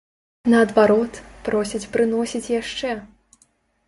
Наадварот, просяць прыносіць яшчэ!